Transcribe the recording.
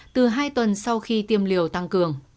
từ hai tuần sau khi tiêm liều tăng cường